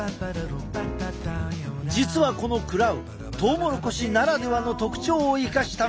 実はこのクラウトウモロコシならではの特徴を生かしたメニュー。